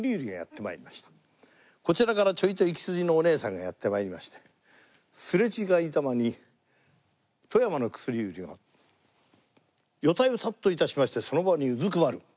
こちらからちょいと粋筋のお姉さんがやって参りましてすれ違いざまに富山の薬売りがヨタヨタと致しましてその場にうずくまる。